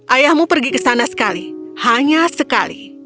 ayahmu pergi ke sana sekali hanya sekali